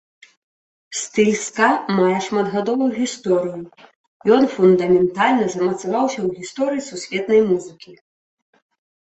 Стыль ска мае шматгадовую гісторыю, ён фундаментальна замацаваўся ў гісторыі сусветнай музыкі.